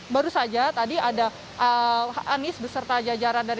baru saja tadi ada anies beserta jajaran dari